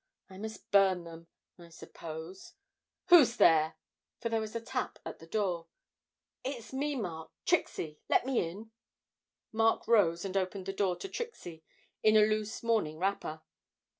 I must burn them, I suppose Who's there?' for there was a tap at the door. 'It's me, Mark Trixie let me in.' Mark rose and opened the door to Trixie, in a loose morning wrapper.